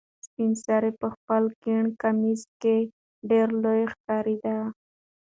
سپین سرې په خپل ګڼ کمیس کې ډېره لویه ښکارېده.